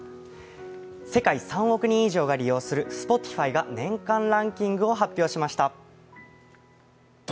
世界３億人以上が利用するＳｐｏｔｉｆｙが年間ランキングを発表しました。